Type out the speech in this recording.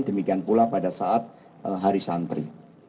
demikian pula pada saat hari santri